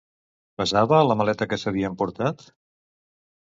Pesava la maleta que s'havia emportat?